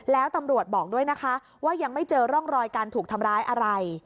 แล้วตำรวจบอกด้วยนะคะว่ายังไม่เจอร่องรอยการถูกทำร้ายอะไร